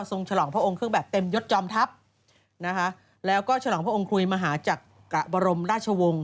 ฉลองพระองค์เครื่องแบบเต็มยศจอมทัพนะคะแล้วก็ฉลองพระองค์คุยมหาจักรบรมราชวงศ์